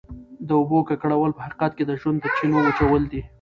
د اوبو ککړول په حقیقت کې د ژوند د چینو وچول دي.